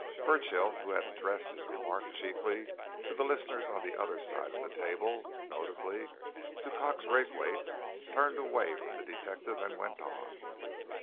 Burchill, who had addressed his remarks chiefly to the listeners on the other side of the table, and notably to Cox Raythwaite, turned away from the detective and went on.